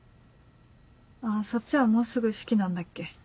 そっちはもうすぐ式なんだっけ？